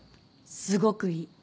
すごくいい。